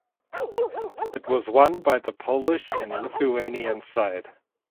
It was won by the Polish and Lithuanian side.